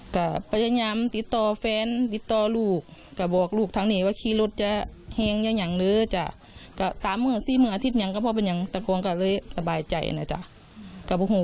ก็ไม่ได้โทษเองนะครับ